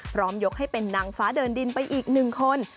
ยกให้เป็นนางฟ้าเดินดินไปอีกหนึ่งคน